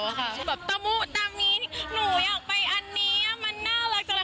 คือแบบตะมุตามีหนูอยากไปอันนี้มันน่ารักจังเลย